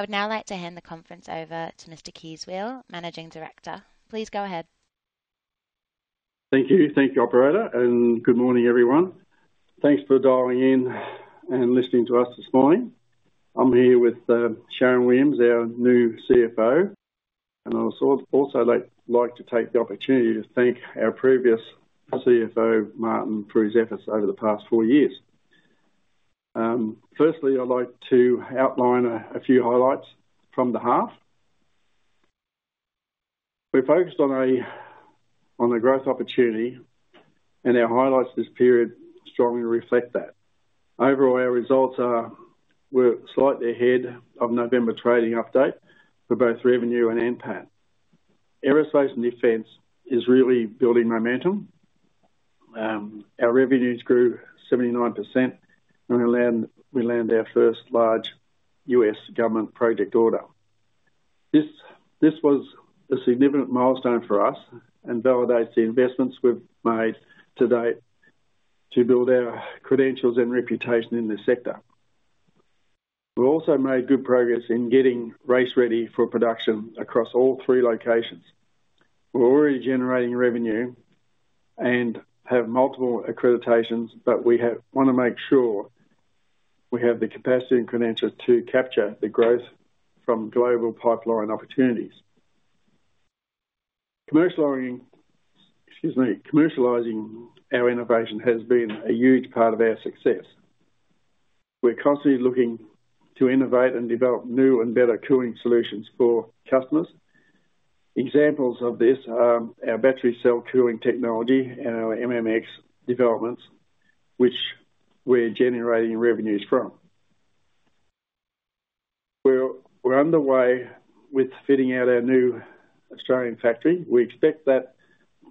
I would now like to hand the conference over to Mr. Kees Weel, Managing Director. Please go ahead. Thank you. Thank you, Operator. And good morning, everyone. Thanks for dialing in and listening to us this morning. I'm here with Sharyn Williams, our new CFO, and I'd also like to take the opportunity to thank our previous CFO, Martin, for his efforts over the past four years. Firstly, I'd like to outline a few highlights from the half. We focused on a growth opportunity, and our highlights this period strongly reflect that. Overall, our results were slightly ahead of November trading update for both revenue and NPAT. Aerospace and Defence is really building momentum. Our revenues grew 79%, and we landed our first large U.S. Government project order. This was a significant milestone for us and validates the investments we've made to date to build our credentials and reputation in this sector. We've also made good progress in getting race-ready for production across all three locations. We're already generating revenue and have multiple accreditations, but we want to make sure we have the capacity and credentials to capture the growth from global pipeline opportunities. Commercializing our innovation has been a huge part of our success. We're constantly looking to innovate and develop new and better cooling solutions for customers. Examples of this are our battery cell cooling technology and our MMX developments, which we're generating revenues from. We're underway with fitting out our new Australian factory. We expect that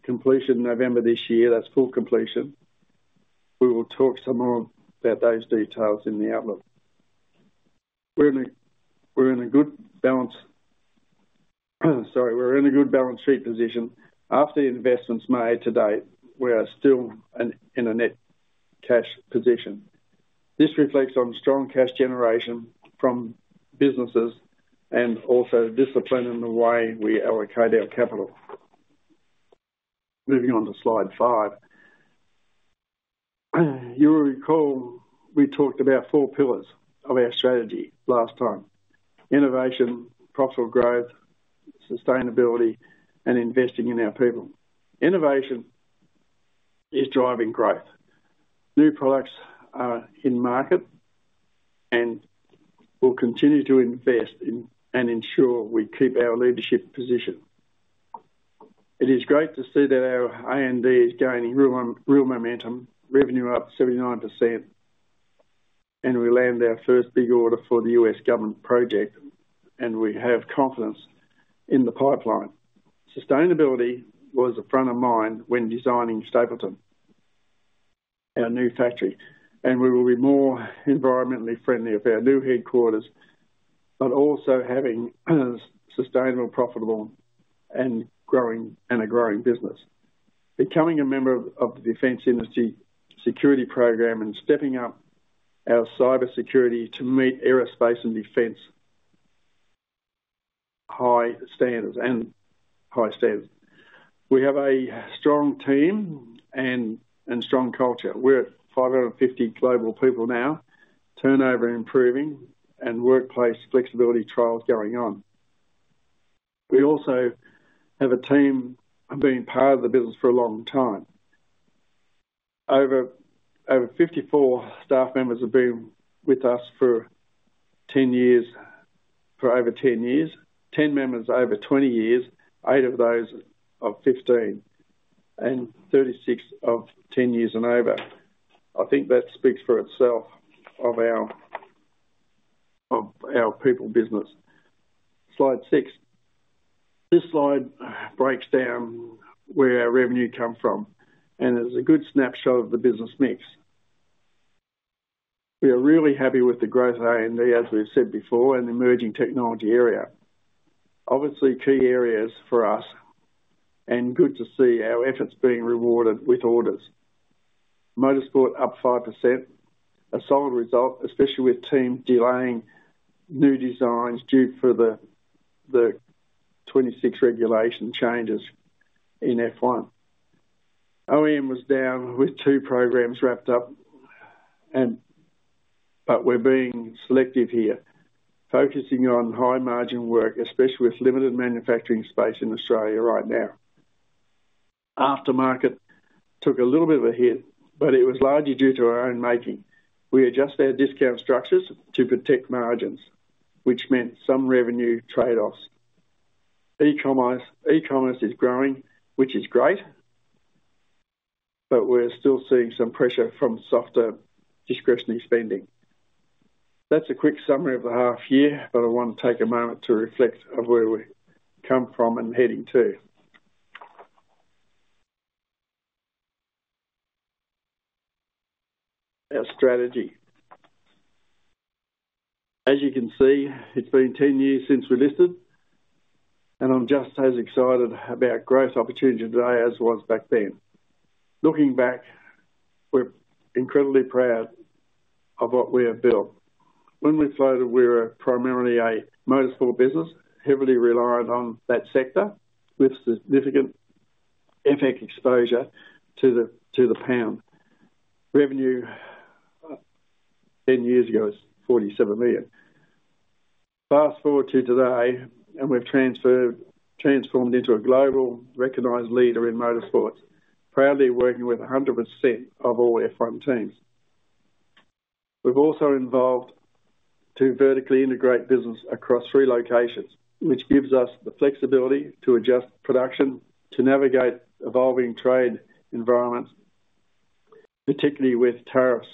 completion November this year. That's full completion. We will talk some more about those details in the outlook. We're in a good balance, sorry, we're in a good balance sheet position. After the investments made to date, we are still in a net cash position. This reflects on strong cash generation from businesses and also discipline in the way we allocate our capital. Moving on to slide five. You will recall we talked about four pillars of our strategy last time: innovation, profitable growth, sustainability, and investing in our people. Innovation is driving growth. New products are in market, and we'll continue to invest and ensure we keep our leadership position. It is great to see that our R&D is gaining real momentum, revenue up 79%, and we land our first big order for the U.S. Government project, and we have confidence in the pipeline. Sustainability was the front of mind when designing Stapylton, our new factory, and we will be more environmentally friendly of our new headquarters, but also having a sustainable, profitable, and a growing business. Becoming a member of the Defence Industry Security Program and stepping up our cybersecurity to meet Aerospace and Defence high standards. We have a strong team and strong culture. We're at 550 global people now, turnover improving, and workplace flexibility trials going on. We also have a team being part of the business for a long time. Over 54 staff members have been with us for 10 years, for over 10 years. 10 members over 20 years, 8 of those over 15, and 36 of 10 years and over. I think that speaks for itself of our people business. Slide six. This slide breaks down where our revenue comes from, and it's a good snapshot of the business mix. We are really happy with the growth of R&D, as we've said before, and the emerging technology area. Obviously, key areas for us, and good to see our efforts being rewarded with orders. Motorsport up 5%, a solid result, especially with teams delaying new designs due for the 26 regulation changes in F1. OEM was down with two programs wrapped up, but we're being selective here, focusing on high margin work, especially with limited manufacturing space in Australia right now. Aftermarket took a little bit of a hit, but it was largely due to our own making. We adjusted our discount structures to protect margins, which meant some revenue trade-offs. E-commerce is growing, which is great, but we're still seeing some pressure from softer discretionary spending. That's a quick summary of the half year, but I want to take a moment to reflect on where we come from and heading to. Our strategy. As you can see, it's been 10 years since we listed, and I'm just as excited about growth opportunities today as I was back then. Looking back, we're incredibly proud of what we have built. When we floated, we were primarily a motorsport business, heavily reliant on that sector with significant FX exposure to the pound. Revenue 10 years ago was 47 million. Fast forward to today, and we've transformed into a global recognized leader in motorsports, proudly working with 100% of all F1 teams. We've also evolved to vertically integrate business across three locations, which gives us the flexibility to adjust production, to navigate evolving trade environments, particularly with tariffs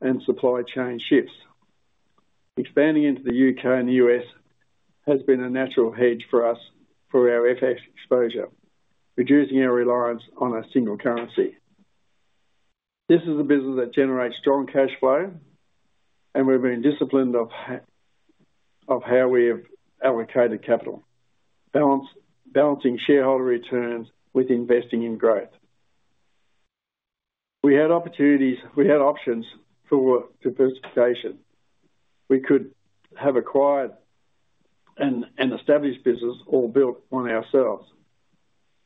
and supply chain shifts. Expanding into the U.K. and U.S. has been a natural hedge for us for our FX exposure, reducing our reliance on a single currency. This is a business that generates strong cash flow, and we've been disciplined of how we have allocated capital, balancing shareholder returns with investing in growth. We had options for diversification. We could have acquired an established business or built one ourselves.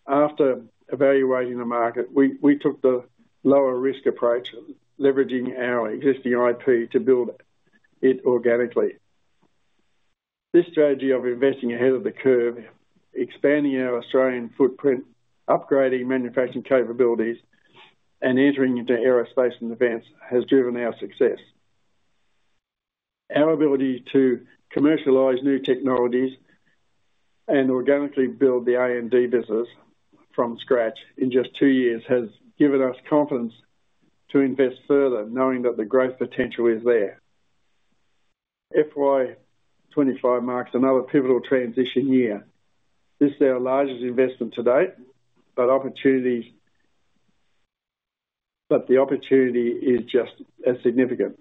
After evaluating the market, we took the lower-risk approach, leveraging our existing IP to build it organically. This strategy of investing ahead of the curve, expanding our Australian footprint, upgrading manufacturing capabilities, and entering into Aerospace and Defence has driven our success. Our ability to commercialize new technologies and organically build the R&D business from scratch in just two years has given us confidence to invest further, knowing that the growth potential is there. FY25 marks another pivotal transition year. This is our largest investment to date, but the opportunity is just as significant.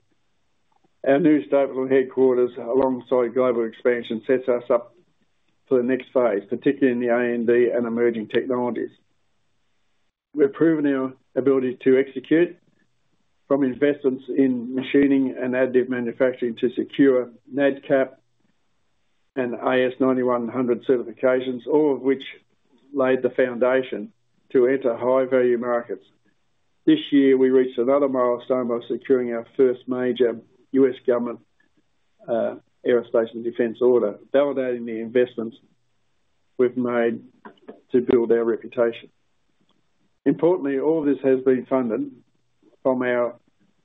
Our new Stapylton headquarters, alongside global expansion, sets us up for the next phase, particularly in the R&D and emerging technologies. We've proven our ability to execute, from investments in machining and additive manufacturing to secure NADCAP and AS9100 certifications, all of which laid the foundation to enter high-value markets. This year, we reached another milestone by securing our first major U.S. Government Aerospace and Defence order, validating the investments we've made to build our reputation. Importantly, all of this has been funded from our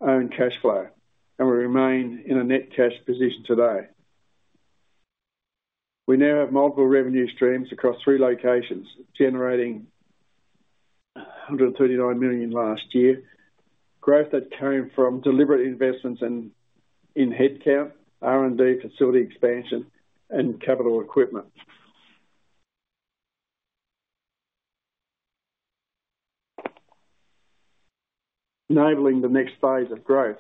own cash flow, and we remain in a net cash position today. We now have multiple revenue streams across three locations, generating 139 million last year, growth that came from deliberate investments in headcount, R&D facility expansion, and capital equipment, enabling the next phase of growth.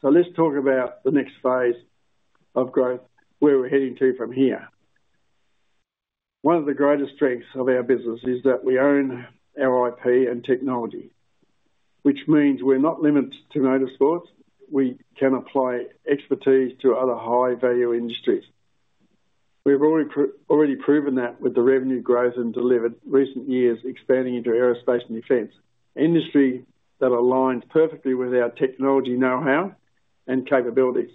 So let's talk about the next phase of growth, where we're heading to from here. One of the greatest strengths of our business is that we own our IP and technology, which means we're not limited to motorsports. We can apply expertise to other high-value industries. We've already proven that with the revenue growth in delivered recent years, expanding into Aerospace and Defence, an industry that aligns perfectly with our technology know-how and capabilities.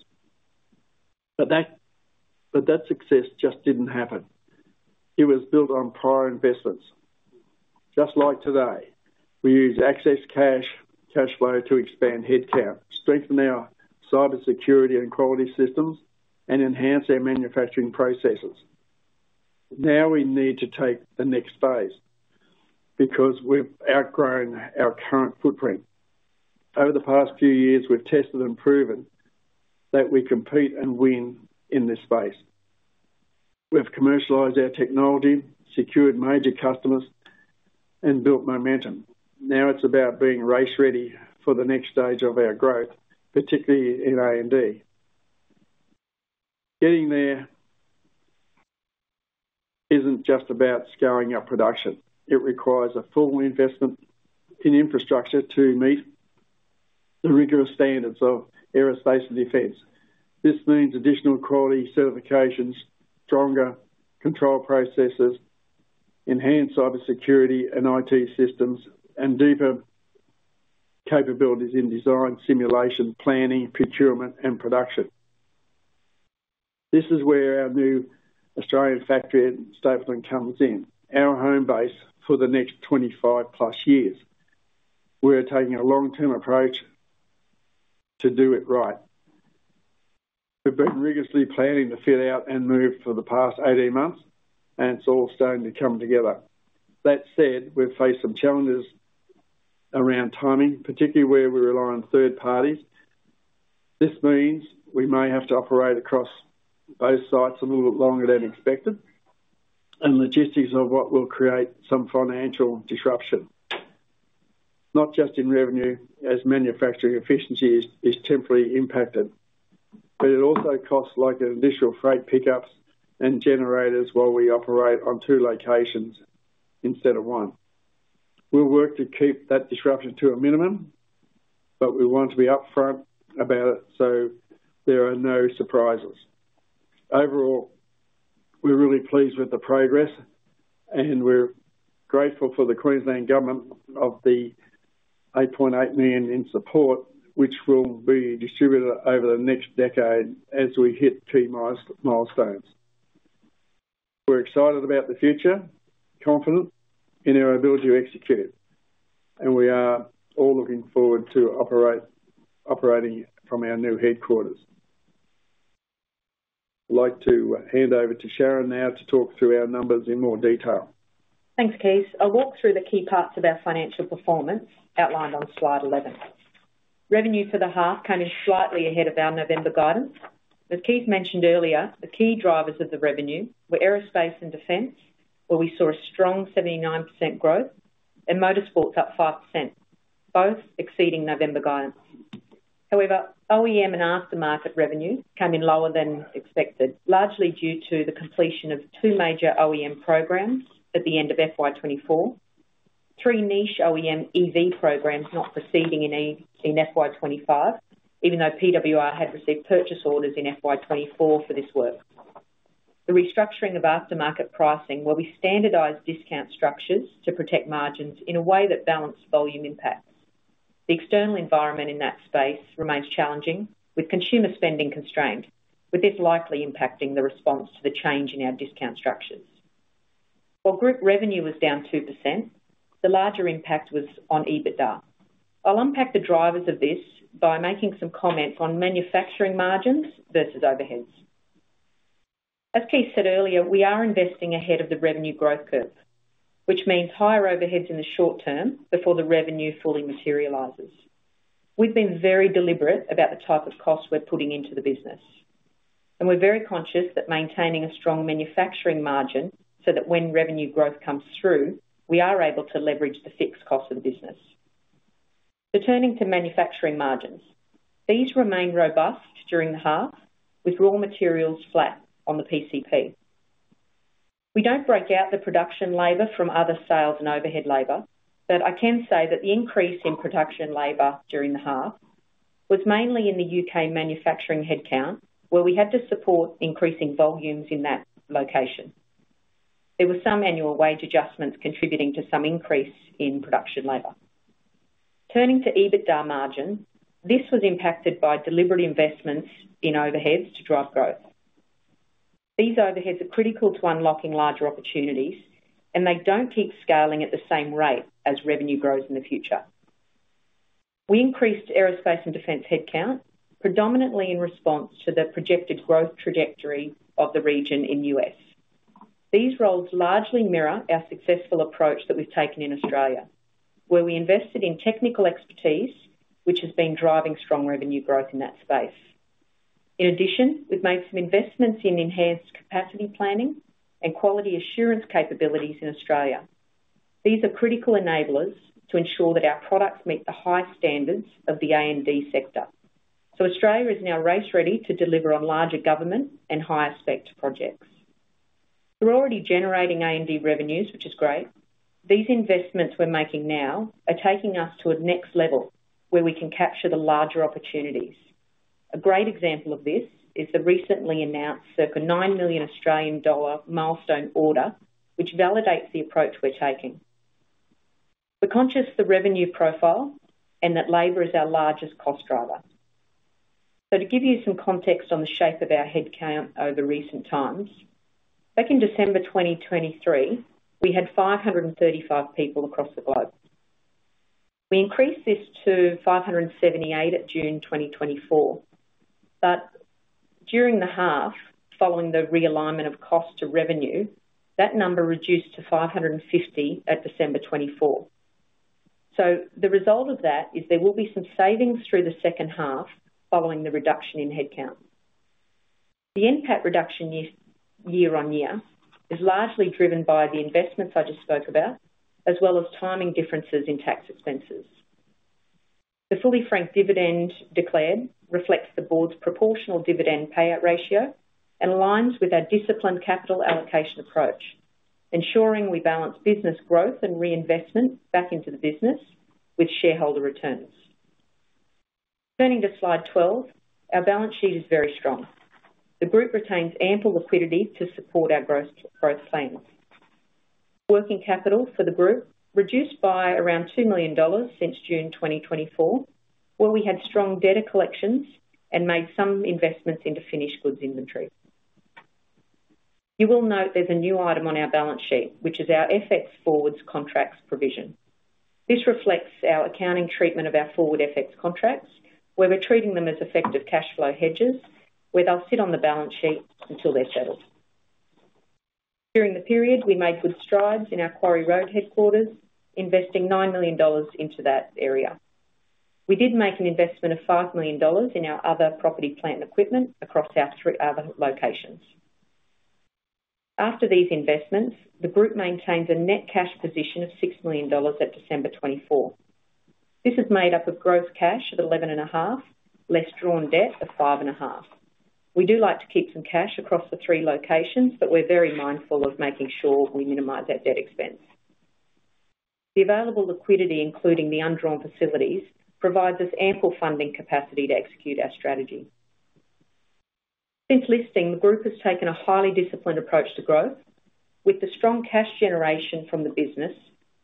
But that success just didn't happen. It was built on prior investments. Just like today, we use excess cash flow to expand headcount, strengthen our cybersecurity and quality systems, and enhance our manufacturing processes. Now we need to take the next phase because we've outgrown our current footprint. Over the past few years, we've tested and proven that we compete and win in this space. We've commercialized our technology, secured major customers, and built momentum. Now it's about being race-ready for the next stage of our growth, particularly in R&D. Getting there isn't just about scaling up production. It requires a full investment in infrastructure to meet the rigorous standards of Aerospace and Defence. This means additional quality certifications, stronger control processes, enhanced cybersecurity and IT systems, and deeper capabilities in design, simulation, planning, procurement, and production. This is where our new Australian factory at Stapylton comes in, our home base for the next 25 plus years. We're taking a long-term approach to do it right. We've been rigorously planning to fit out and move for the past 18 months, and it's all starting to come together. That said, we've faced some challenges around timing, particularly where we rely on third parties. This means we may have to operate across both sites a little bit longer than expected, and logistics of what will create some financial disruption, not just in revenue, as manufacturing efficiency is temporarily impacted, but it also costs like additional freight pickups and generators while we operate on two locations instead of one. We'll work to keep that disruption to a minimum, but we want to be upfront about it so there are no surprises. Overall, we're really pleased with the progress, and we're grateful for the Queensland Government's 8.8 million in support, which will be distributed over the next decade as we hit key milestones. We're excited about the future, confident in our ability to execute it, and we are all looking forward to operating from our new headquarters. I'd like to hand over to Sharyn now to talk through our numbers in more detail. Thanks, Kees. I'll walk through the key parts of our financial performance outlined on slide 11. Revenue for the half came in slightly ahead of our November guidance. As Kees mentioned earlier, the key drivers of the revenue were Aerospace and Defence, where we saw a strong 79% growth, and motorsports up 5%, both exceeding November guidance. However, OEM and aftermarket revenue came in lower than expected, largely due to the completion of two major OEM programs at the end of FY24, three niche OEM EV programs not proceeding in FY25, even though PWR had received purchase orders in FY24 for this work. The restructuring of aftermarket pricing, where we standardized discount structures to protect margins in a way that balanced volume impacts. The external environment in that space remains challenging, with consumer spending constrained, with this likely impacting the response to the change in our discount structures. While group revenue was down 2%, the larger impact was on EBITDA. I'll unpack the drivers of this by making some comments on manufacturing margins versus overheads. As Kees said earlier, we are investing ahead of the revenue growth curve, which means higher overheads in the short term before the revenue fully materializes. We've been very deliberate about the type of costs we're putting into the business, and we're very conscious that maintaining a strong manufacturing margin so that when revenue growth comes through, we are able to leverage the fixed costs of the business. Returning to manufacturing margins, these remain robust during the half, with raw materials flat on the PCP. We don't break out the production labor from other sales and overhead labor, but I can say that the increase in production labor during the half was mainly in the U.K. manufacturing headcount, where we had to support increasing volumes in that location. There were some annual wage adjustments contributing to some increase in production labor. Turning to EBITDA margin, this was impacted by deliberate investments in overheads to drive growth. These overheads are critical to unlocking larger opportunities, and they don't keep scaling at the same rate as revenue grows in the future. We increased aerospace and defence headcount, predominantly in response to the projected growth trajectory of the region in the U.S. These roles largely mirror our successful approach that we've taken in Australia, where we invested in technical expertise, which has been driving strong revenue growth in that space. In addition, we've made some investments in enhanced capacity planning and quality assurance capabilities in Australia. These are critical enablers to ensure that our products meet the high standards of the R&D sector. So Australia is now race-ready to deliver on larger government and higher spec projects. We're already generating R&D revenues, which is great. These investments we're making now are taking us to a next level where we can capture the larger opportunities. A great example of this is the recently announced circa 9 million Australian dollar milestone order, which validates the approach we're taking. We're conscious of the revenue profile and that labour is our largest cost driver. So to give you some context on the shape of our headcount over recent times, back in December 2023, we had 535 people across the globe. We increased this to 578 at June 2024, but during the half, following the realignment of cost to revenue, that number reduced to 550 at December 2024. So the result of that is there will be some savings through the second half following the reduction in headcount. The impact reduction year on year is largely driven by the investments I just spoke about, as well as timing differences in tax expenses. The fully franked dividend declared reflects the board's proportional dividend payout ratio and aligns with our disciplined capital allocation approach, ensuring we balance business growth and reinvestment back into the business with shareholder returns. Turning to slide 12, our balance sheet is very strong. The group retains ample liquidity to support our growth plans. Working capital for the group reduced by around 2 million dollars since June 2024, where we had strong debtor collections and made some investments into finished goods inventory. You will note there's a new item on our balance sheet, which is our FX forward contracts provision. This reflects our accounting treatment of our forward FX contracts, where we're treating them as effective cash flow hedges, where they'll sit on the balance sheet until they're settled. During the period, we made good strides in our Quarry Road headquarters, investing 9 million dollars into that area. We did make an investment of 5 million dollars in our other property plant and equipment across our three other locations. After these investments, the group maintains a net cash position of 6 million dollars at December 24. This is made up of gross cash of 11.5 million, less drawn debt of 5.5 million. We do like to keep some cash across the three locations, but we're very mindful of making sure we minimize that debt expense. The available liquidity, including the undrawn facilities, provides us ample funding capacity to execute our strategy. Since listing, the group has taken a highly disciplined approach to growth, with the strong cash generation from the business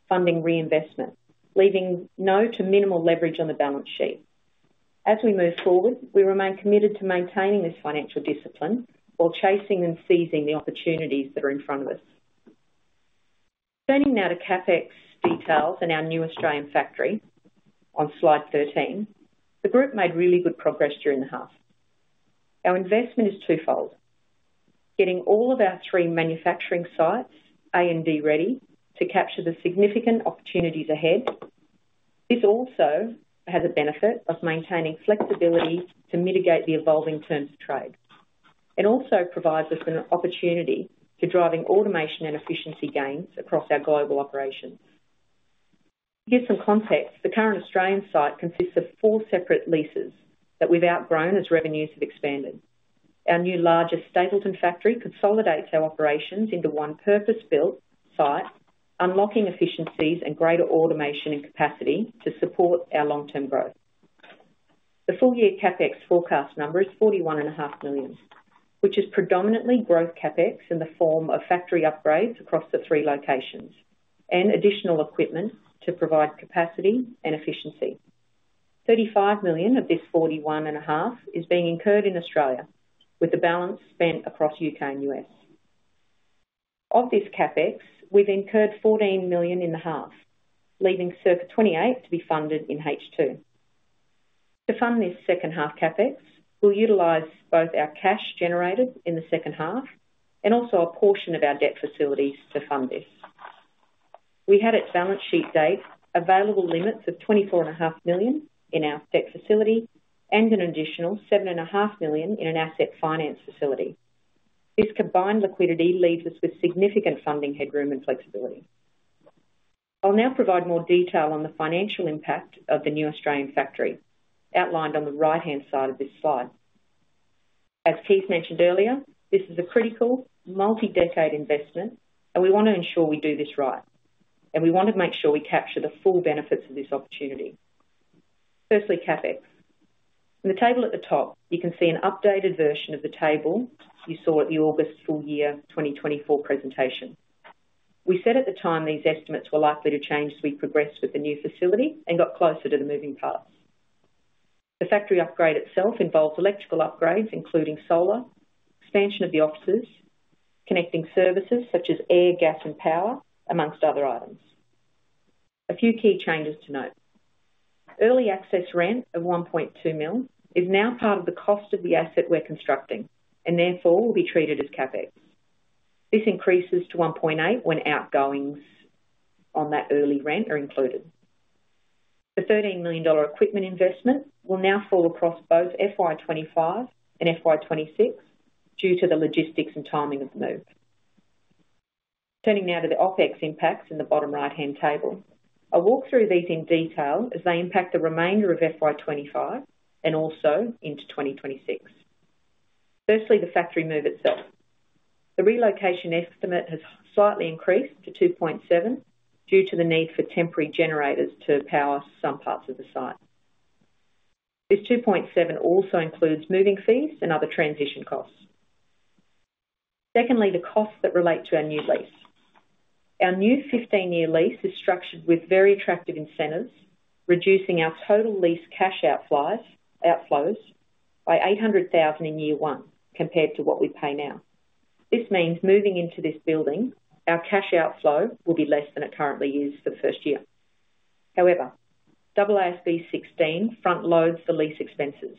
funding reinvestment, leaving no to minimal leverage on the balance sheet. As we move forward, we remain committed to maintaining this financial discipline while chasing and seizing the opportunities that are in front of us. Turning now to CapEx details and our new Australian factory on Slide 13, the group made really good progress during the half. Our investment is twofold: getting all of our three manufacturing sites R&D ready to capture the significant opportunities ahead. This also has a benefit of maintaining flexibility to mitigate the evolving terms of trade and also provides us an opportunity to drive automation and efficiency gains across our global operations. To give some context, the current Australian site consists of four separate leases that we've outgrown as revenues have expanded. Our new largest Stapylton factory consolidates our operations into one purpose-built site, unlocking efficiencies and greater automation and capacity to support our long-term growth. The full-year CapEx forecast number is 41.5 million, which is predominantly growth CapEx in the form of factory upgrades across the three locations and additional equipment to provide capacity and efficiency. 35 million of this 41.5 million is being incurred in Australia, with the balance spent across U.K. and U.S. Of this CapEx, we've incurred 14 million in the half, leaving circa 28 to be funded in H2. To fund this second half CapEx, we'll utilize both our cash generated in the second half and also a portion of our debt facilities to fund this. We had at balance sheet date available limits of 24.5 million in our debt facility and an additional 7.5 million in an asset finance facility. This combined liquidity leaves us with significant funding headroom and flexibility. I'll now provide more detail on the financial impact of the new Australian factory outlined on the right-hand side of this slide. As Kees mentioned earlier, this is a critical multi-decade investment, and we want to ensure we do this right, and we want to make sure we capture the full benefits of this opportunity. Firstly, CapEx. In the table at the top, you can see an updated version of the table you saw at the August full year 2024 presentation. We set at the time these estimates were likely to change as we progressed with the new facility and got closer to the moving parts. The factory upgrade itself involves electrical upgrades, including solar, expansion of the offices, connecting services such as air, gas, and power, among other items. A few key changes to note. Early access rent of 1.2 million is now part of the cost of the asset we're constructing and therefore will be treated as CapEx. This increases to 1.8 million when outgoings on that early rent are included. The 13 million dollar equipment investment will now fall across both FY25 and FY26 due to the logistics and timing of the move. Turning now to the OpEx impacts in the bottom right-hand table, I'll walk through these in detail as they impact the remainder of FY25 and also into 2026. Firstly, the factory move itself. The relocation estimate has slightly increased to 2.7 million due to the need for temporary generators to power some parts of the site. This 2.7 million also includes moving fees and other transition costs. Secondly, the costs that relate to our new lease. Our new 15-year lease is structured with very attractive incentives, reducing our total lease cash outflows by 800,000 in year one compared to what we pay now. This means moving into this building, our cash outflow will be less than it currently is for the first year. However, AASB 16 front-loads the lease expenses,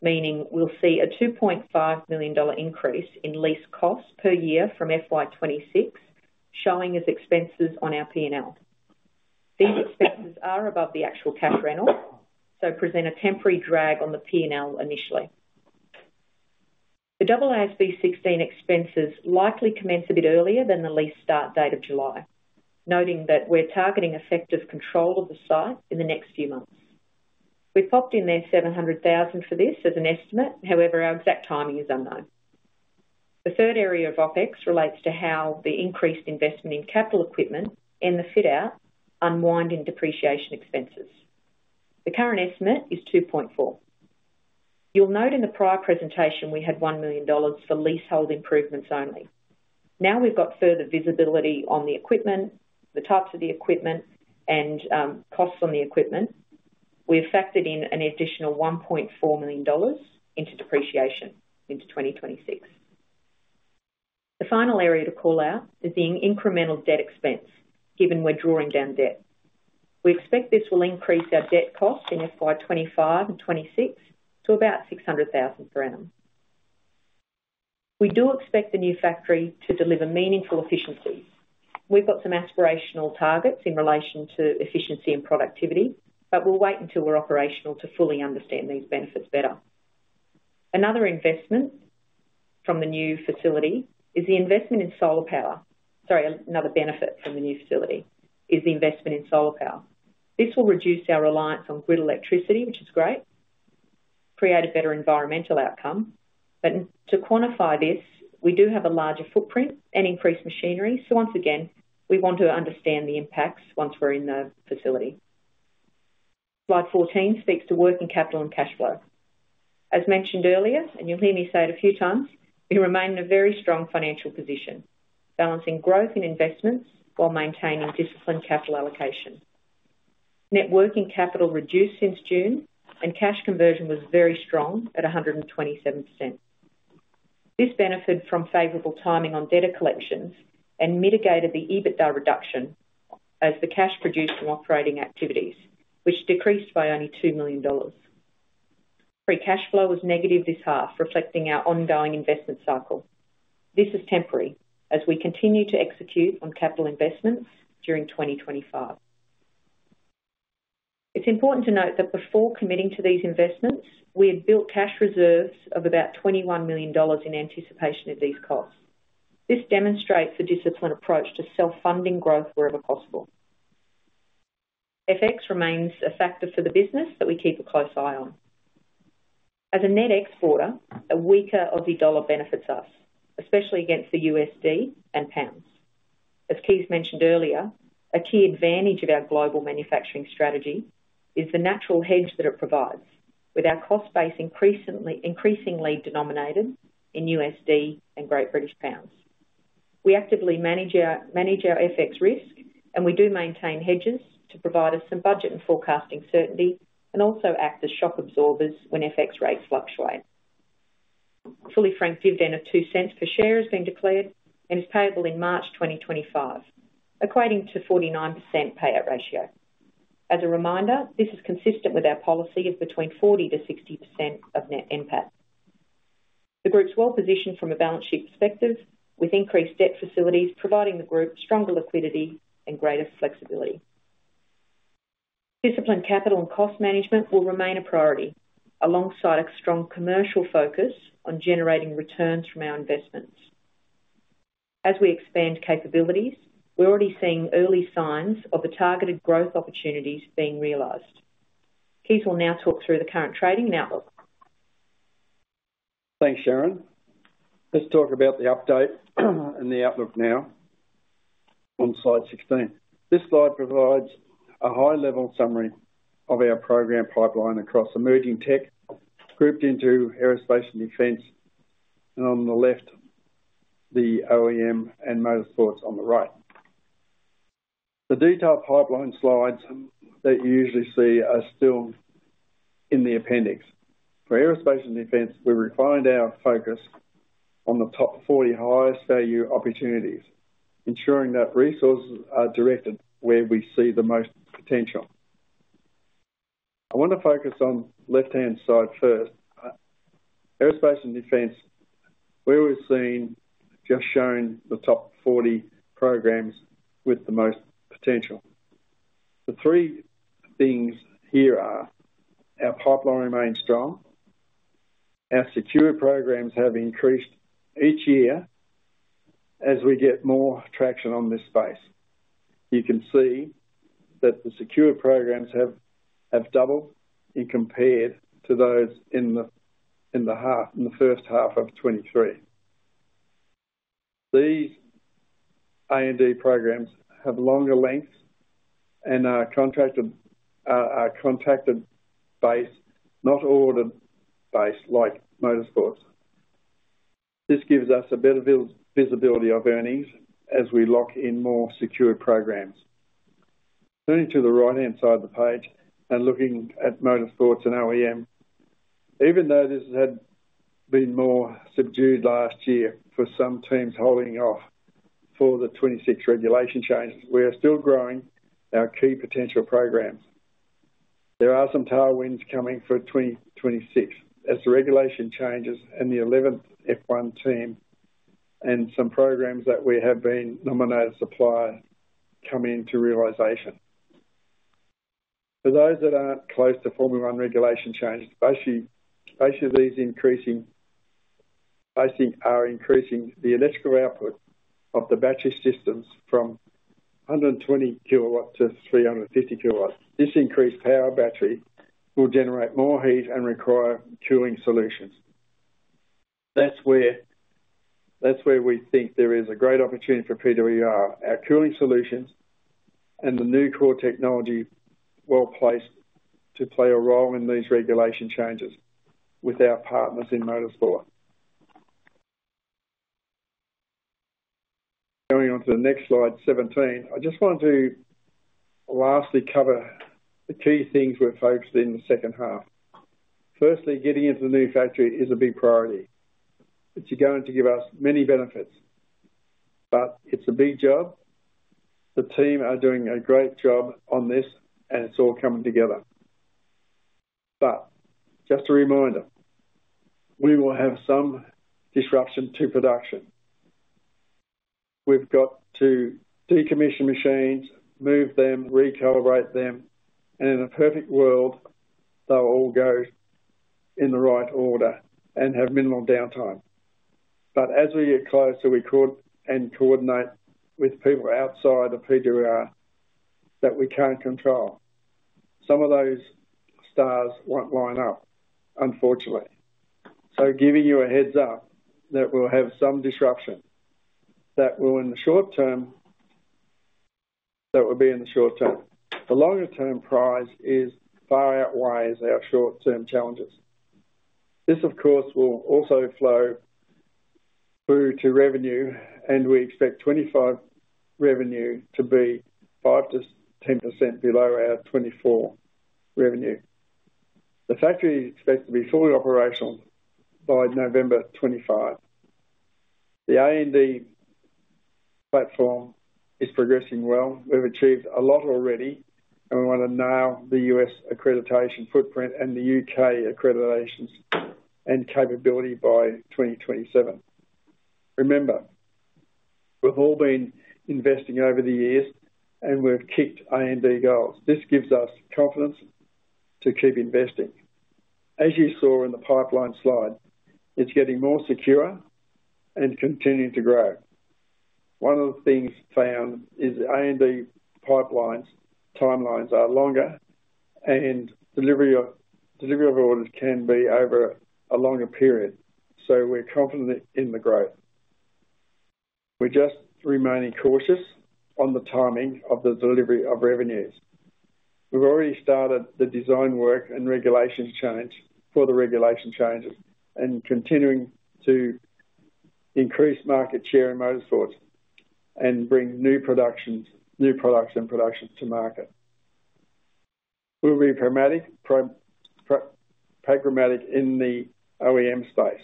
meaning we'll see an 2.5 million dollar increase in lease costs per year from FY26 showing as expenses on our P&L. These expenses are above the actual cash rental, so present a temporary drag on the P&L initially. The AASB 16 expenses likely commence a bit earlier than the lease start date of July, noting that we're targeting effective control of the site in the next few months. We've popped in there 700,000 for this as an estimate; however, our exact timing is unknown. The third area of OpEx relates to how the increased investment in capital equipment and the fit-out unwind in depreciation expenses. The current estimate is 2.4 million. You'll note in the prior presentation we had 1 million dollars for leasehold improvements only. Now we've got further visibility on the equipment, the types of the equipment, and costs on the equipment. We've factored in an additional 1.4 million dollars into depreciation into 2026. The final area to call out is the incremental debt expense, given we're drawing down debt. We expect this will increase our debt cost in FY 2025 and 2026 to about 600,000 per annum. We do expect the new factory to deliver meaningful efficiencies. We've got some aspirational targets in relation to efficiency and productivity, but we'll wait until we're operational to fully understand these benefits better. Another investment from the new facility is the investment in solar power. Sorry, another benefit from the new facility is the investment in solar power. This will reduce our reliance on grid electricity, which is great, create a better environmental outcome, but to quantify this, we do have a larger footprint and increased machinery, so once again, we want to understand the impacts once we're in the facility. Slide 14 speaks to working capital and cash flow. As mentioned earlier, and you'll hear me say it a few times, we remain in a very strong financial position, balancing growth and investments while maintaining disciplined capital allocation. Net working capital reduced since June, and cash conversion was very strong at 127%. This benefited from favorable timing on debtor collections and mitigated the EBITDA reduction as the cash produced from operating activities, which decreased by only 2 million dollars. Free cash flow was negative this half, reflecting our ongoing investment cycle. This is temporary as we continue to execute on capital investments during 2025. It's important to note that before committing to these investments, we had built cash reserves of about 21 million dollars in anticipation of these costs. This demonstrates the disciplined approach to self-funding growth wherever possible. FX remains a factor for the business that we keep a close eye on. As a net exporter, a weaker Australian dollar benefits us, especially against the USD and pounds. As Kees mentioned earlier, a key advantage of our global manufacturing strategy is the natural hedge that it provides, with our cost base increasingly denominated in USD and GBP. We actively manage our FX risk, and we do maintain hedges to provide us some budget and forecasting certainty and also act as shock absorbers when FX rates fluctuate. fully franked dividend of 0.02 per share has been declared and is payable in March 2025, equating to 49% payout ratio. As a reminder, this is consistent with our policy of between 40% to 60% of net NPAT. The group's well-positioned from a balance sheet perspective, with increased debt facilities providing the group stronger liquidity and greater flexibility. Disciplined capital and cost management will remain a priority alongside a strong commercial focus on generating returns from our investments. As we expand capabilities, we're already seeing early signs of the targeted growth opportunities being realized. Kees will now talk through the current trading and outlook. Thanks, Sharyn. Let's talk about the update and the outlook now on Slide 16. This slide provides a high-level summary of our program pipeline across emerging tech, grouped into aerospace and defence, and on the left, the OEM and motorsports on the right. The detailed pipeline slides that you usually see are still in the appendix. For Aerospace and Defence, we refined our focus on the top 40 highest value opportunities, ensuring that resources are directed where we see the most potential. I want to focus on the left-hand side first. Aerospace and Defence, we're always seeing just showing the top 40 programs with the most potential. The three things here are our pipeline remains strong, our secure programs have increased each year as we get more traction on this space. You can see that the secure programs have doubled, compared to those in the first half of 2023. These R&D programs have longer lengths and are contracted base, not ordered base like motorsports. This gives us a better visibility of earnings as we lock in more secure programs. Turning to the right-hand side of the page and looking at motorsport and OEM, even though this had been more subdued last year for some teams holding off for the 2026 regulation changes, we are still growing our key potential programs. There are some tailwinds coming for 2026 as the regulation changes and the 11th F1 team and some programs that we have been nominated suppliers come into realization. For those that aren't close to F1 regulation changes, basically these changes are increasing the electrical output of the battery systems from 120 kilowatts to 350 kilowatts. This increased power battery will generate more heat and require cooling solutions. That's where we think there is a great opportunity for PWR. Our cooling solutions and the new core technology well placed to play a role in these regulation changes with our partners in motorsport. Going on to the next slide, 17, I just want to lastly cover the key things we're focused in the second half. Firstly, getting into the new factory is a big priority. It's going to give us many benefits, but it's a big job. The team are doing a great job on this, and it's all coming together. But just a reminder, we will have some disruption to production. We've got to decommission machines, move them, recalibrate them, and in a perfect world, they'll all go in the right order and have minimal downtime. But as we get closer, we couldn't coordinate with people outside of PWR that we can't control. Some of those stars won't line up, unfortunately. So, giving you a heads up that we'll have some disruption that will, in the short term, be in the short term. The longer-term prize far outweighs our short-term challenges. This, of course, will also flow through to revenue, and we expect 2025 revenue to be 5%-10% below our 2024 revenue. The factory is expected to be fully operational by November 2025. The R&D platform is progressing well. We've achieved a lot already, and we want to nail the U.S. accreditation footprint and the U.K. accreditations and capability by 2027. Remember, we've all been investing over the years, and we've kicked R&D goals. This gives us confidence to keep investing. As you saw in the pipeline slide, it's getting more secure and continuing to grow. One of the things found is the R&D pipeline timelines are longer, and delivery of orders can be over a longer period. So we're confident in the growth. We're just remaining cautious on the timing of the delivery of revenues. We've already started the design work and regulation change for the regulation changes, and continuing to increase market share in motorsports and bring new production to market. We'll be pragmatic in the OEM space,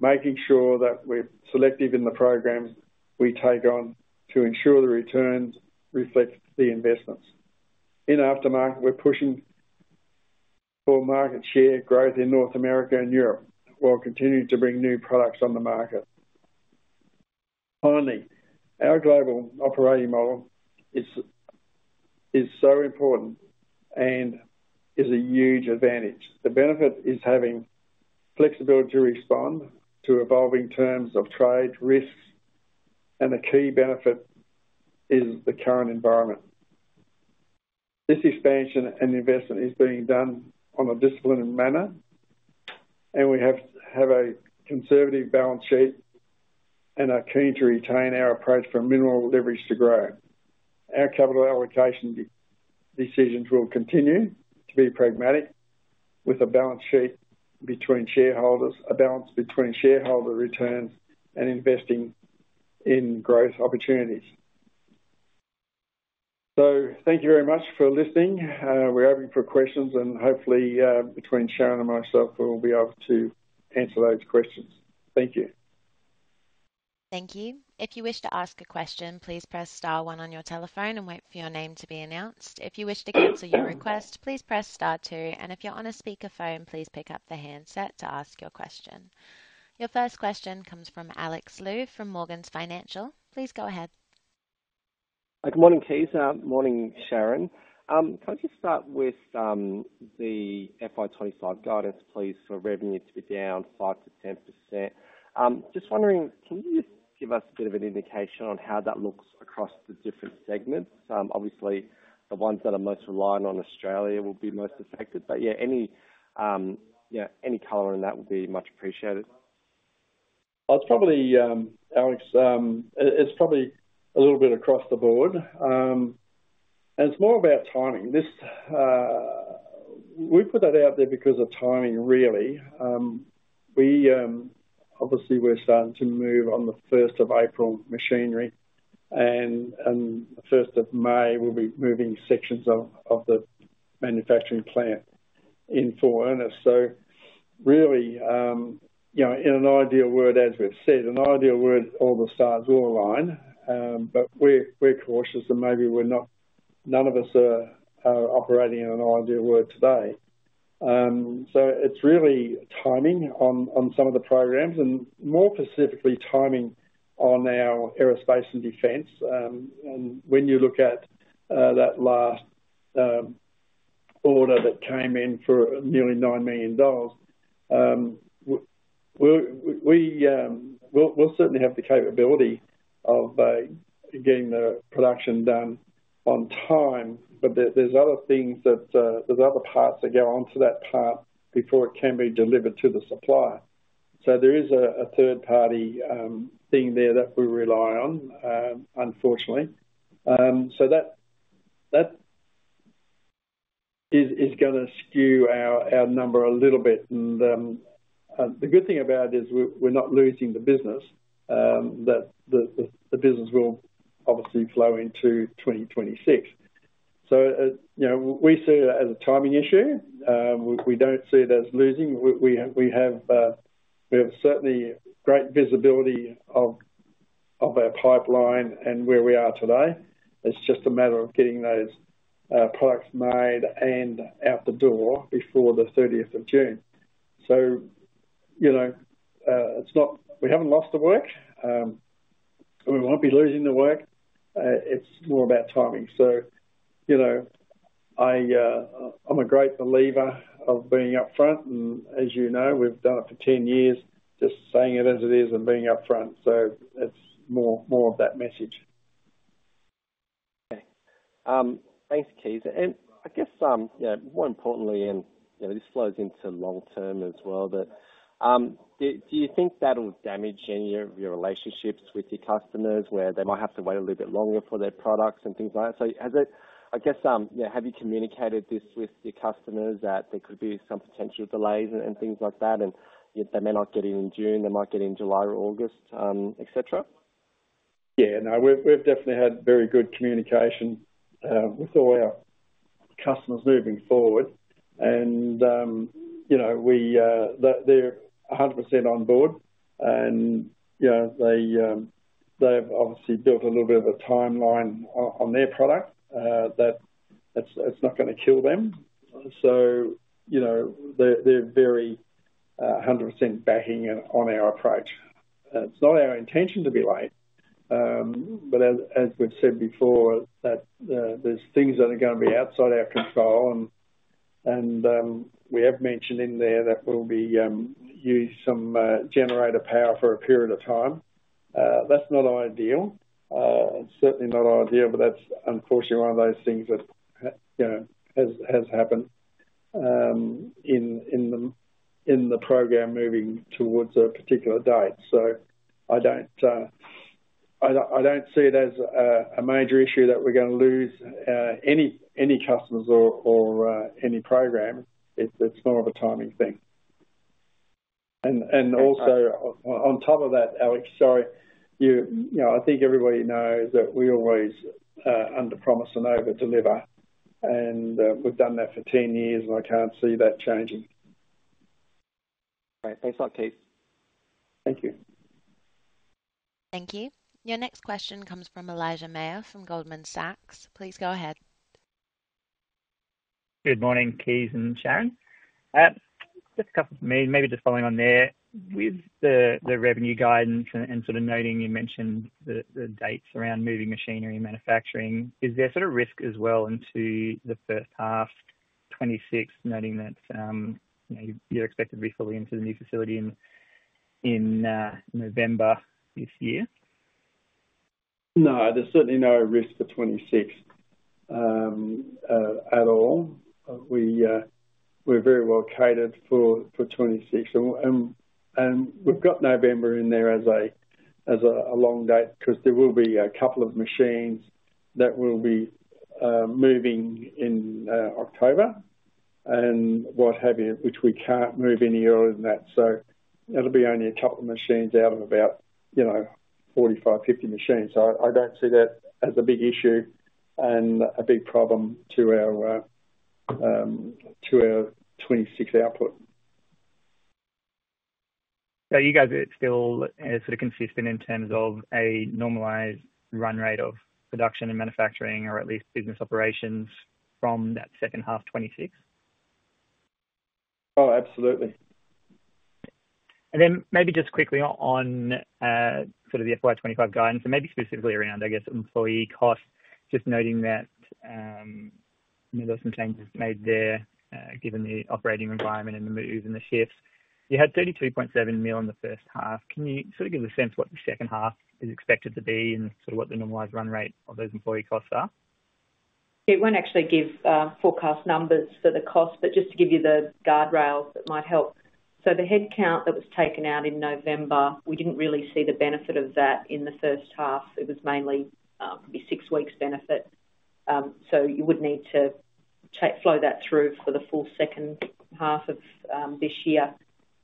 making sure that we're selective in the programs we take on to ensure the returns reflect the investments. In aftermarket, we're pushing for market share growth in North America and Europe while continuing to bring new products on the market. Finally, our global operating model is so important and is a huge advantage. The benefit is having flexibility to respond to evolving terms of trade risks, and the key benefit is the current environment. This expansion and investment is being done on a disciplined manner, and we have a conservative balance sheet and are keen to retain our approach for minimal leverage to grow. Our capital allocation decisions will continue to be pragmatic with a balance sheet between shareholders, a balance between shareholder returns, and investing in growth opportunities. So thank you very much for listening. We're open for questions, and hopefully, between Sharyn and myself, we'll be able to answer those questions. Thank you. Thank you. If you wish to ask a question, please press star one on your telephone and wait for your name to be announced. If you wish to cancel your request, please press star two. And if you're on a speakerphone, please pick up the handset to ask your question. Your first question comes from Alex Lu from Morgans Financial. Please go ahead. Good morning, Kees. Morning, Sharyn. Can I just start with the FY25 guidance, please, for revenue to be down five to 10%? Just wondering, can you give us a bit of an indication on how that looks across the different segments? Obviously, the ones that are most reliant on Australia will be most affected, but yeah, any color on that would be much appreciated. It's probably a little bit across the board, and it's more about timing. We put that out there because of timing, really. Obviously, we're starting to move on the 1st of April, machinery, and the 1st of May, we'll be moving sections of the manufacturing plant in Ormeau. So really, in an ideal world, as we've said, an ideal world, all the stars will align, but we're cautious, and maybe none of us are operating in an ideal world today. So it's really timing on some of the programs and more specifically timing on our Aerospace and Defence. And when you look at that last order that came in for nearly 9 million dollars, we'll certainly have the capability of getting the production done on time, but there's other things that there's other parts that go onto that part before it can be delivered to the supplier. So there is a third-party thing there that we rely on, unfortunately. So that is going to skew our number a little bit. And the good thing about it is we're not losing the business, that the business will obviously flow into 2026. So we see it as a timing issue. We don't see it as losing. We have certainly great visibility of our pipeline and where we are today. It's just a matter of getting those products made and out the door before the 30th of June. So we haven't lost the work. We won't be losing the work. It's more about timing, so I'm a great believer of being upfront, and as you know, we've done it for 10 years, just saying it as it is and being upfront. So it's more of that message. Okay. Thanks, Kees, and I guess, more importantly, and this flows into long-term as well, but do you think that'll damage any of your relationships with your customers where they might have to wait a little bit longer for their products and things like that, so I guess, have you communicated this with your customers that there could be some potential delays and things like that, and they may not get it in June, they might get it in July or August, etc.? Yeah. No, we've definitely had very good communication with all our customers moving forward, and they're 100% on board, and they've obviously built a little bit of a timeline on their product that it's not going to kill them. So they're very 100% backing on our approach. It's not our intention to be late, but as we've said before, there's things that are going to be outside our control, and we have mentioned in there that we'll be using some generator power for a period of time. That's not ideal. It's certainly not ideal, but that's unfortunately one of those things that has happened in the program moving towards a particular date. So I don't see it as a major issue that we're going to lose any customers or any program. It's more of a timing thing. And also, on top of that, Alex, sorry, I think everybody knows that we always underpromise and overdeliver, and we've done that for 10 years, and I can't see that changing. Right. Thanks a lot, Kees. Thank you. Thank you. Your next question comes from Elijah Mayr from Goldman Sachs. Please go ahead. Good morning, Kees and Sharyn. Just a couple of maybe just following on there with the revenue guidance and sort of noting you mentioned the dates around moving machinery and manufacturing. Is there sort of risk as well into the first half, 2026, noting that you're expected to be fully into the new facility in November this year? No, there's certainly no risk for 2026 at all. We're very well catered for 2026, and we've got November in there as a long date because there will be a couple of machines that will be moving in October and what have you, which we can't move any earlier than that. So it'll be only a couple of machines out of about 45 to 50 machines. So I don't see that as a big issue and a big problem to our 2026 output. So you guys are still sort of consistent in terms of a normalized run rate of production and manufacturing, or at least business operations from that second half 2026? Oh, absolutely. And then maybe just quickly on sort of the FY25 guidance, and maybe specifically around, I guess, employee costs, just noting that there's some changes made there given the operating environment and the moves and the shifts. You had 32.7 million in the first half. Can you sort of give a sense of what the second half is expected to be and sort of what the normalized run rate of those employee costs are? It won't actually give forecast numbers for the cost, but just to give you the guardrails that might help. So the headcount that was taken out in November, we didn't really see the benefit of that in the first half. It was mainly probably six weeks' benefit. So you would need to flow that through for the full second half of this year.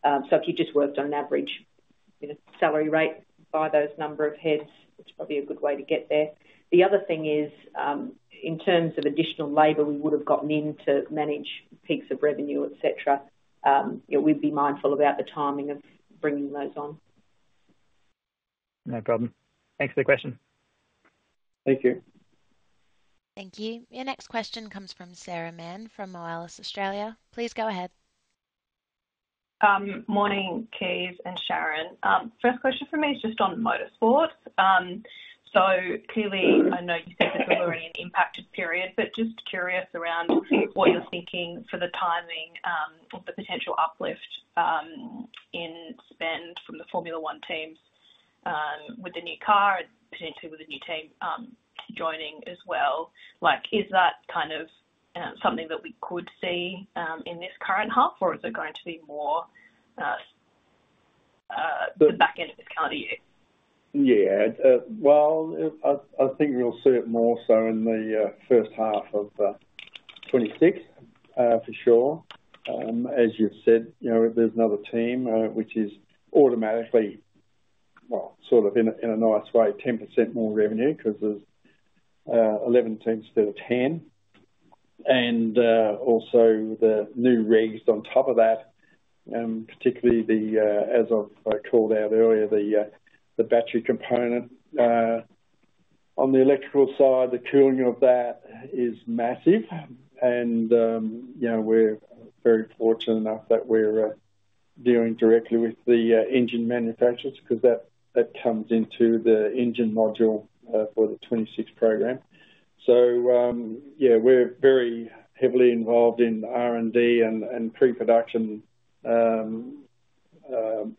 So if you just worked on an average salary rate by those number of heads, it's probably a good way to get there. The other thing is, in terms of additional labor, we would have gotten in to manage peaks of revenue, etc. We'd be mindful about the timing of bringing those on. No problem. Thanks for the question. Thank you. Your next question comes from Sarah Mann from Moelis Australia. Please go ahead. Morning, Kees and Sharyn. First question for me is just on motorsports. So clearly, I know you said that we were in an impacted period, but just curious around what you're thinking for the timing of the potential uplift in spend from the Formula 1 teams with the new car and potentially with the new team joining as well. Is that kind of something that we could see in this current half, or is it going to be more the back end of this calendar year? Yeah. I think we'll see it more so in the first half of 2026 for sure. As you've said, there's another team, which is automatically, well, sort of in a nice way, 10% more revenue because there's 11 teams instead of 10. And also the new rays on top of that, particularly, as I called out earlier, the battery component. On the electrical side, the cooling of that is massive, and we're very fortunate enough that we're dealing directly with the engine manufacturers because that comes into the engine module for the 2026 program. So yeah, we're very heavily involved in R&D and pre-production items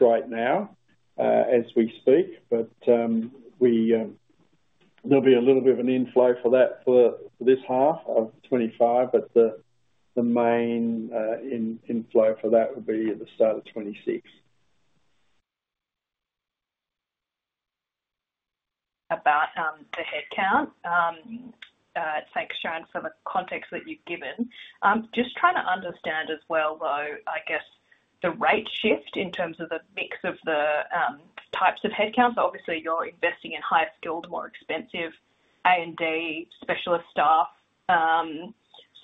right now as we speak, but there'll be a little bit of an inflow for that for this half of 2025, but the main inflow for that will be at the start of 2026. About the headcount, thanks, Sharyn, for the context that you've given. Just trying to understand as well, though, I guess, the rate shift in terms of the mix of the types of headcounts. Obviously, you're investing in higher skilled, more expensive R&D specialist staff.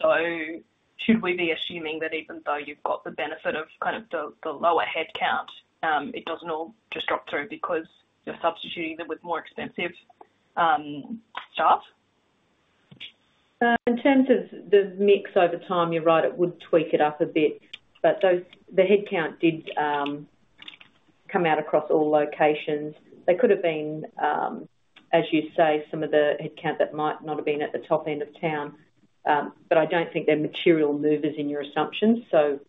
So should we be assuming that even though you've got the benefit of kind of the lower headcount, it doesn't all just drop through because you're substituting them with more expensive staff? In terms of the mix over time, you're right, it would tweak it up a bit, but the headcount did come out across all locations. They could have been, as you say, some of the headcount that might not have been at the top end of town, but I don't think they're material movers in your assumptions. So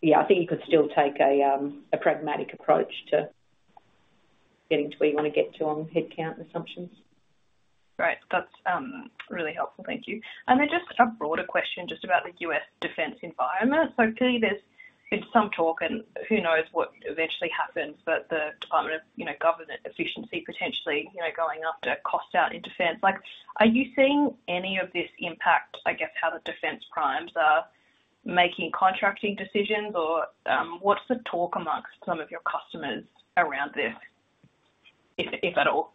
yeah, I think you could still take a pragmatic approach to getting to where you want to get to on headcount assumptions. Right. That's really helpful. Thank you. And then just a broader question just about the U.S. defense environment. So clearly, there's been some talk, and who knows what eventually happens, but the Department of Government Efficiency potentially going after cost out in defense. Are you seeing any of this impact, I guess, how the defense primes are making contracting decisions, or what's the talk amongst some of your customers around this, if at all?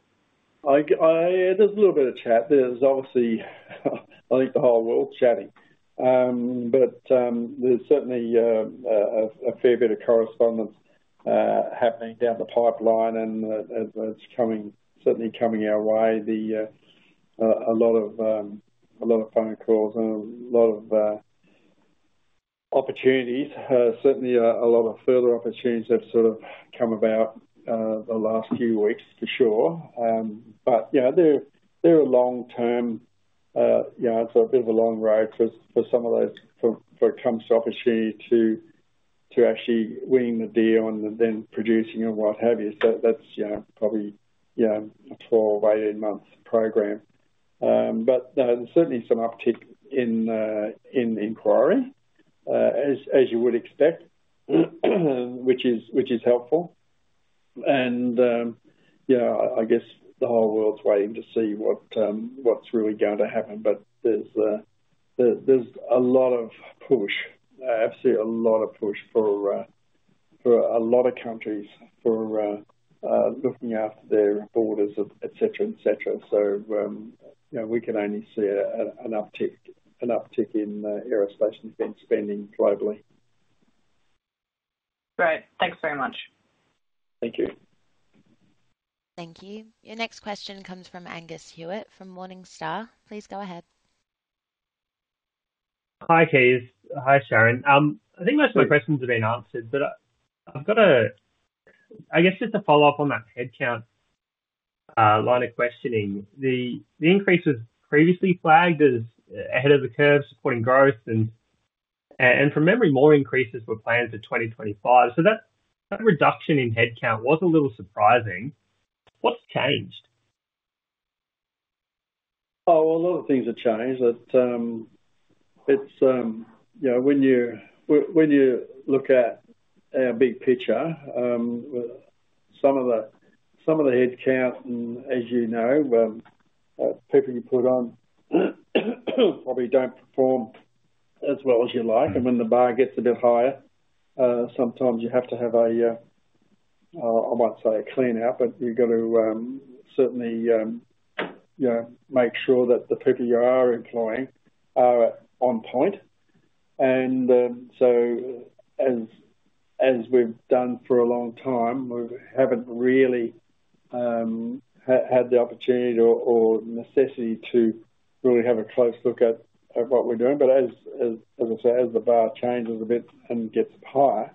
There's a little bit of chat. There's obviously, I think, the whole world's chatting, but there's certainly a fair bit of correspondence happening down the pipeline, and it's certainly coming our way. A lot of phone calls and a lot of opportunities, certainly a lot of further opportunities have sort of come about the last few weeks for sure. But they're long-term. It's a bit of a long road for some of those when it comes to opportunity to actually winning the deal and then producing and what have you. So that's probably a 12 to 18 month program. But there's certainly some uptick in inquiry, as you would expect, which is helpful. And yeah, I guess the whole world's waiting to see what's really going to happen, but there's a lot of push, absolutely a lot of push for a lot of countries for looking after their borders, etc., etc. So we can only see an uptick in Aerospace and Defence spending globally. Right. Thanks very much. Thank you. Thank you. Your next question comes from Angus Hewitt from Morningstar. Please go ahead. Hi, Kees. Hi, Sharyn. I think most of my questions have been answered, but I've got a, I guess, just a follow-up on that headcount line of questioning. The increase was previously flagged as ahead of the curve supporting growth, and from memory, more increases were planned for 2025. So that reduction in headcount was a little surprising. What's changed? Oh, well, a lot of things have changed. When you look at our big picture, some of the headcount, and as you know, people you put on probably don't perform as well as you'd like, and when the bar gets a bit higher, sometimes you have to have a, I might say, a clean out, but you've got to certainly make sure that the people you are employing are on point, and so as we've done for a long time, we haven't really had the opportunity or necessity to really have a close look at what we're doing, but as I say, as the bar changes a bit and gets higher,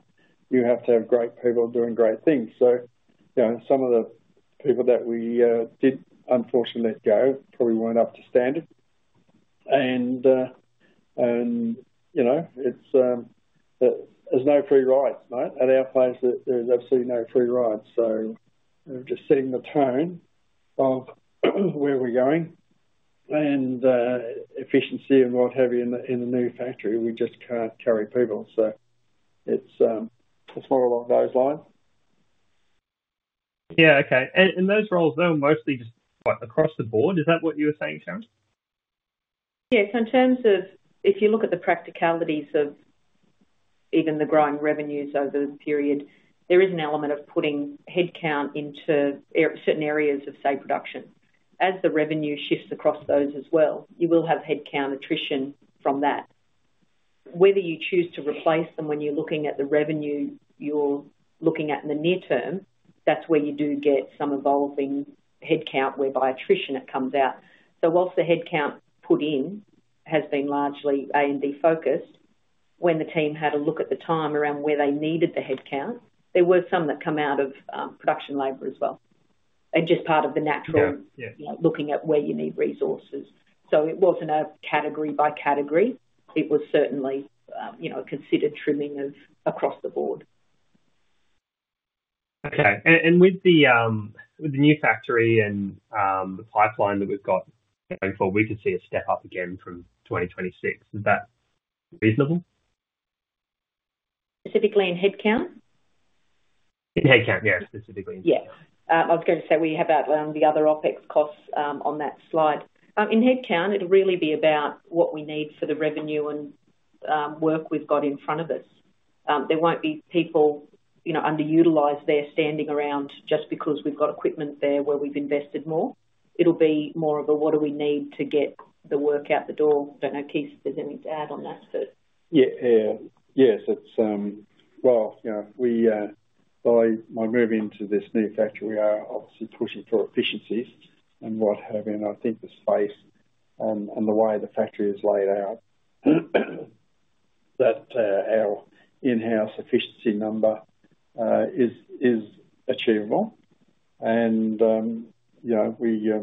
you have to have great people doing great things, so some of the people that we did unfortunately let go probably weren't up to standard, and there's no free rides, right? At our place, there's absolutely no free rides. So just setting the tone of where we're going and efficiency and what have you in the new factory, we just can't carry people. So it's more along those lines. Yeah. Okay. And those roles are mostly just across the board. Is that what you were saying, Sharyn? Yes. In terms of if you look at the practicalities of even the growing revenues over the period, there is an element of putting headcount into certain areas of, say, production. As the revenue shifts across those as well, you will have headcount attrition from that. Whether you choose to replace them when you're looking at the revenue you're looking at in the near term, that's where you do get some evolving headcount whereby attrition comes out. So while the headcount put in has been largely R&D focused, when the team had a look at the time around where they needed the headcount, there were some that come out of production labour as well. And just part of the natural looking at where you need resources. So it wasn't a category by category. It was certainly considered trimming across the board. Okay. And with the new factory and the pipeline that we've got going forward, we could see a step up again from 2026. Is that reasonable? Specifically in headcount? In headcount, yes. Specifically in headcount. Yeah. I was going to say we have the other OPEX costs on that slide. In headcount, it'll really be about what we need for the revenue and work we've got in front of us. There won't be people underutilized there standing around just because we've got equipment there where we've invested more. It'll be more of a, what do we need to get the work out the door? I don't know, Kees, if there's anything to add on that, but. Yeah. Yeah. Yes, well by moving to this new factory, we are obviously pushing for efficiencies and what have you, and I think the space and the way the factory is laid out, that our in-house efficiency number is achievable, and we'd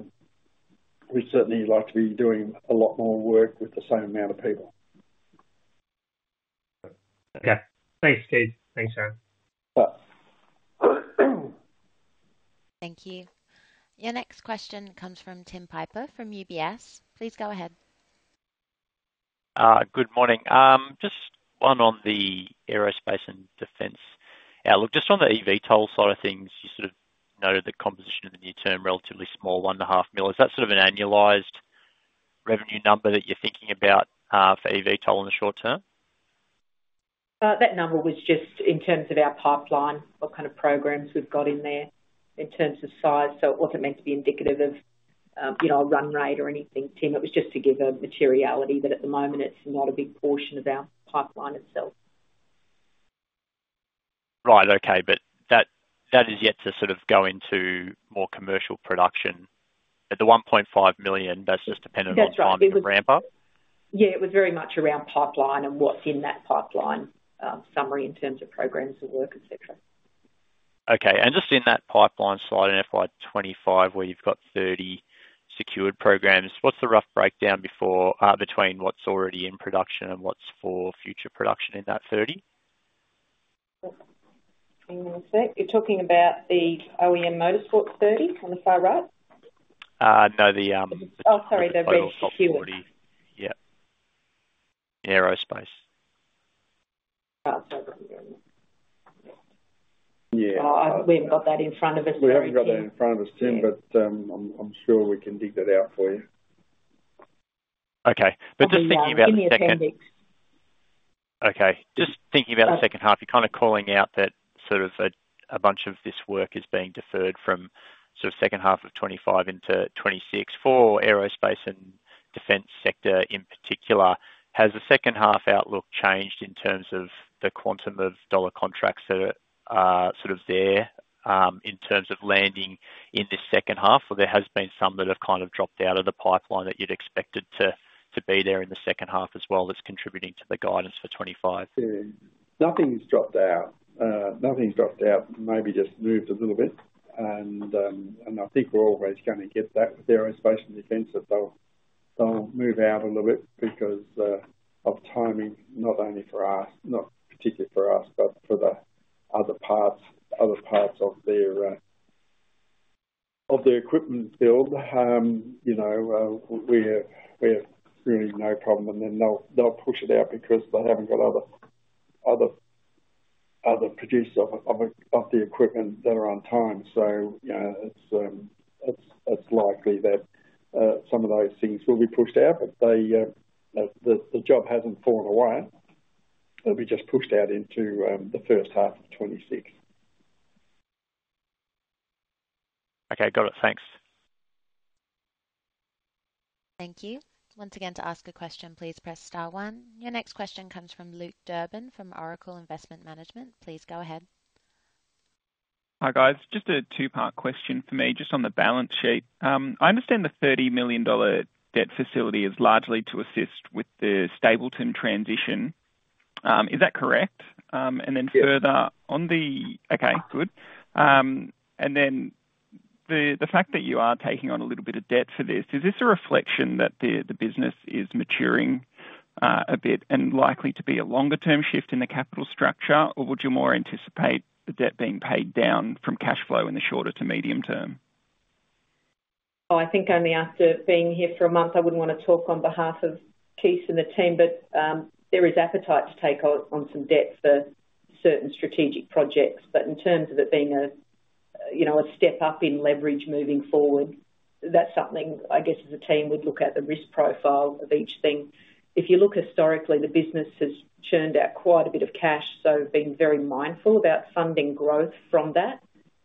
certainly like to be doing a lot more work with the same amount of people. Okay. Thanks, Kees. Thanks, Sharyn. Thank you. Your next question comes from Tim Piper from UBS. Please go ahead. Good morning. Just one on the Aerospace and Defence outlook. Just on the eVTOL side of things, you sort of noted the composition of the near term, relatively small, 1.5 million. Is that sort of an annualized revenue number that you're thinking about for eVTOL in the short term? That number was just in terms of our pipeline, what kind of programs we've got in there in terms of size. So it wasn't meant to be indicative of a run rate or anything, Tim. It was just to give a materiality that at the moment, it's not a big portion of our pipeline itself. Right. Okay. But that is yet to sort of go into more commercial production. But the 1.5 million, that's just dependent on the time for ramp-up? Yeah. It was very much around pipeline and what's in that pipeline summary in terms of programs and work, etc. Okay. Just in that pipeline slide, FY 2025, where you've got 30 secured programs, what's the rough breakdown between what's already in production and what's for future production in that 30? You're talking about the OEM Motorsports 30 on the far right? No, the. Oh, sorry. The regs secured. Yeah. Aerospace. Yeah. We haven't got that in front of us, Sharyn. We haven't got that in front of us, Tim, but I'm sure we can dig that out for you. Okay. Just thinking about the second half, you're kind of calling out that sort of a bunch of this work is being deferred from sort of second half of 2025 into 2026 for Aerospace and Defence sector in particular. Has the second half outlook changed in terms of the quantum of dollar contracts that are sort of there in terms of landing in this second half? Or there has been some that have kind of dropped out of the pipeline that you'd expected to be there in the second half as well that's contributing to the guidance for 2025? Nothing's dropped out. Nothing's dropped out. Maybe just moved a little bit. And I think we're always going to get that with Aerospace and Defence that they'll move out a little bit because of timing, not only for us, not particularly for us, but for the other parts of their equipment build. We have really no problem. And then they'll push it out because they haven't got other producers of the equipment that are on time. So it's likely that some of those things will be pushed out, but the job hasn't fallen away. It'll be just pushed out into the first half of 2026. Okay. Got it. Thanks. Thank you. Once again, to ask a question, please press star one. Your next question comes from Luke Durbin from Oracle Investment Management. Please go ahead. Hi, guys. Just a two-part question for me, just on the balance sheet. I understand the 30 million dollar debt facility is largely to assist with the Stapylton transition. Is that correct? And then further on the. Okay. Good. And then the fact that you are taking on a little bit of debt for this, is this a reflection that the business is maturing a bit and likely to be a longer-term shift in the capital structure, or would you more anticipate the debt being paid down from cash flow in the shorter to medium term? Oh, I think only after being here for a month, I wouldn't want to talk on behalf of Kees and the team, but there is appetite to take on some debt for certain strategic projects. But in terms of it being a step up in leverage moving forward, that's something, I guess, as a team, we'd look at the risk profile of each thing. If you look historically, the business has churned out quite a bit of cash, so being very mindful about funding growth from that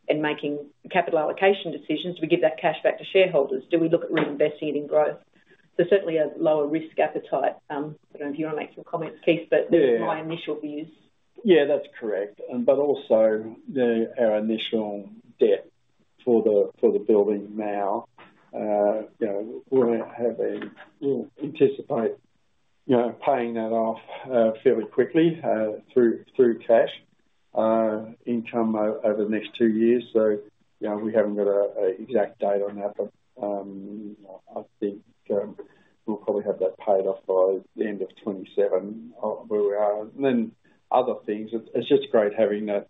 and making capital allocation decisions: do we give that cash back to shareholders? Do we look at reinvesting it in growth? There's certainly a lower risk appetite. I don't know if you want to make some comments, Kees, but my initial views. Yeah. That's correct. But also our initial debt for the building now, we'll anticipate paying that off fairly quickly through cash income over the next two years. So we haven't got an exact date on that, but I think we'll probably have that paid off by the end of 2027, where we are. And then other things, it's just great having that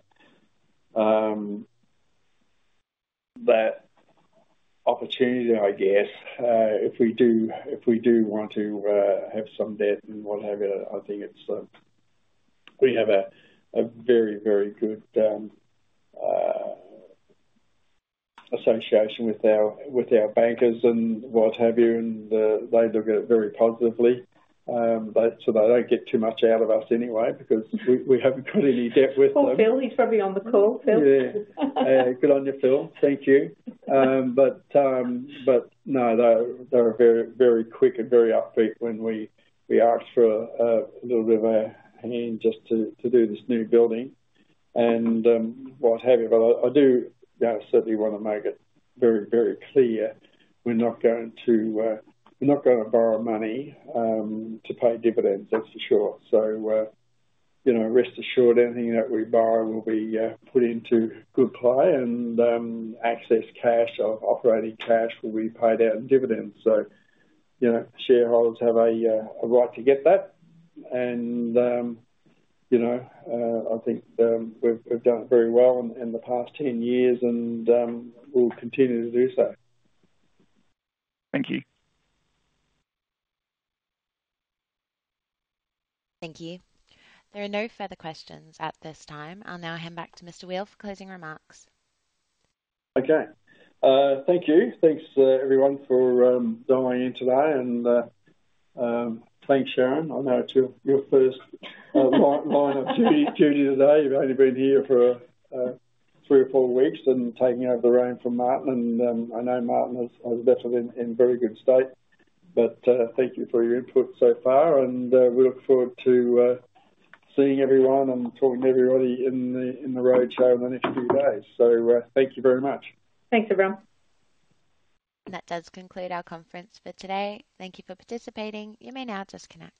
opportunity, I guess. If we do want to have some debt and what have you, I think we have a very, very good association with our bankers and what have you, and they look at it very positively. So they don't get too much out of us anyway because we haven't got any debt with them. Oh, Phil. He's probably on the call, Phil. Yeah. Good on you, Phil. Thank you. But no, they're very quick and very upbeat when we ask for a little bit of a hand just to do this new building and what have you. But I do certainly want to make it very, very clear we're not going to borrow money to pay dividends, that's for sure. So rest assured, anything that we borrow will be put into good play and excess cash of operating cash will be paid out in dividends. So shareholders have a right to get that. And I think we've done it very well in the past 10 years and will continue to do so. Thank you. Thank you. There are no further questions at this time. I'll now hand back to Mr. Weel for closing remarks. Okay. Thank you. Thanks, everyone, for dialing in today. And thanks, Sharyn. I know it's your first line of duty today. You've only been here for three or four weeks and taking over the reins from Martin. And I know Martin is definitely in very good hands. But thank you for your input so far. And we look forward to seeing everyone and talking to everybody in the roadshow in the next few days. So thank you very much. Thanks, everyone. That does conclude our conference for today. Thank you for participating. You may now disconnect.